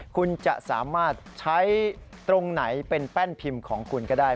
คุณจะสามารถใช้ตรงไหนเป็นแป้นพิมพ์ของคุณก็ได้